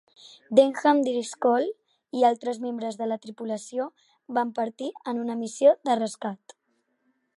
Denham, Driscoll, i altres membres de la tripulació van partir en una missió de rescat.